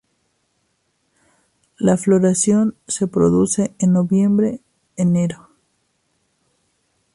La floración se produce en noviembre-enero.